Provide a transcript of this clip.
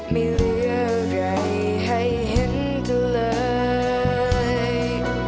ไม่เหลืออะไรให้เห็นจังเลย